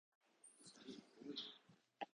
二人は驚いた